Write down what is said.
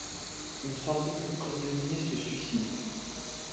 Une centaine de prisonniers se suicident.